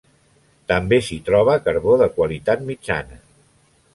També s'hi troba carbó de qualitat mitjana.